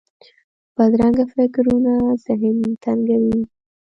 بدرنګه فکرونه ذهن تنګوي